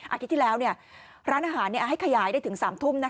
อาทิตย์ที่แล้วร้านอาหารให้ขยายได้ถึง๓ทุ่ม